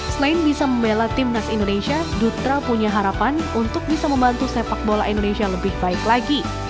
selain bisa membela timnas indonesia dutra punya harapan untuk bisa membantu sepak bola indonesia lebih baik lagi